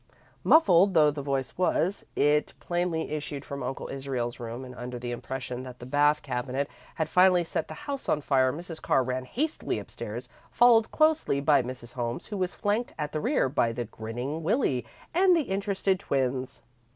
Muffled though the voice was, it plainly issued from Uncle Israel's room, and under the impression that the bath cabinet had finally set the house on fire, Mrs. Carr ran hastily upstairs, followed closely by Mrs. Holmes, who was flanked at the rear by the grinning Willie and the interested twins.